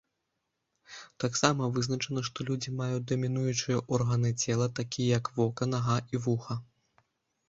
Таксама вызначана, што людзі маюць дамінуючыя органы цела, такія як вока, нага і вуха.